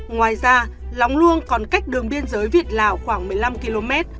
ngoài ra lóng luông còn cách đường biên giới việt lào khoảng một mươi năm km